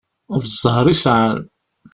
D ẓẓher i sεan.